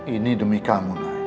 ini demi kamu